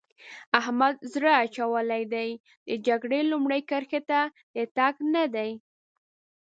احمد زړه اچولی دی؛ د جګړې لومړۍ کرښې ته د تګ نه دی.